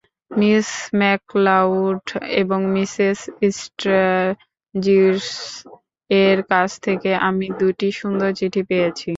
Miss McLeod এবং Mrs স্টার্জিস-এর কাছ থেকে আমি দুটি সুন্দর চিঠি পেয়েছি।